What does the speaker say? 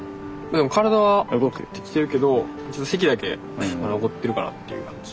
体は動くようになってきてるけどちょっと咳だけ残ってるかなっていう感じ。